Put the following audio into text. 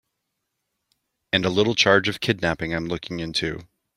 And a little charge of kidnapping I'm looking into.